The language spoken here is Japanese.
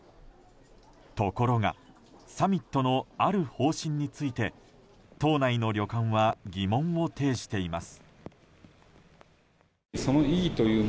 ところがサミットのある方針について島内の旅館は疑問を呈しています。